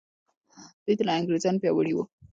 دوی تر انګریزانو پیاوړي وو.